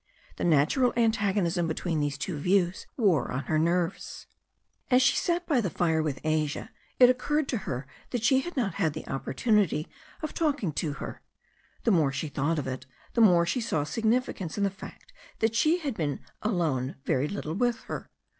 The natural antagonism be tween these two views wore on her nerves. As she sat by the fire with Asia, it occurred to her that she had not had an opportunity of talking to her. The more she thought of it the more she saw significance in the fact that she had been alone very little with her.